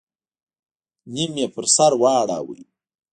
نيم يې په سر واړوه.